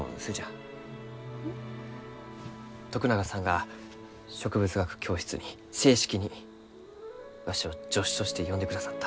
徳永さんが植物学教室に正式にわしを助手として呼んでくださった。